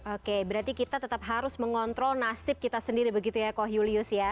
oke berarti kita tetap harus mengontrol nasib kita sendiri begitu ya koh julius ya